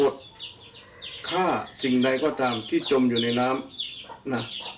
ฆ่าสิ่งใดก็ตามที่จมอยู่ในน้ำนะ